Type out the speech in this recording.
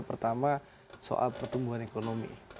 pertama soal pertumbuhan ekonomi